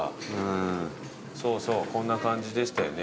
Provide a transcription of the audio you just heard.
そうそうこんな感じでしたよね。